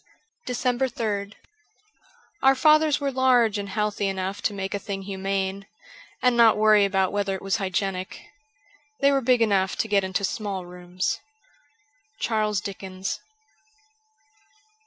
374 DECEMBER 3rd OUR fathers were large and healthy enough to make a thing humane, and not worry about whether it was hygienic. They were big enough to get into small rooms. ' Charles Dickens.'